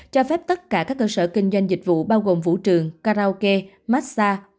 cho phép tất cả các cơ sở kinh doanh dịch vụ bao gồm vũ trường karaoke massage